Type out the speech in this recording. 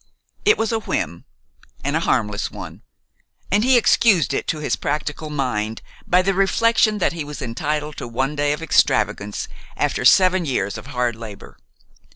It was a whim, and a harmless one, and he excused it to his practical mind by the reflection that he was entitled to one day of extravagance after seven years of hard labor.